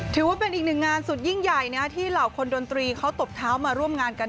ถือว่าเป็นอีกหนึ่งงานสุดยิ่งใหญ่นะที่เหล่าคนดนตรีเขาตบเท้ามาร่วมงานกัน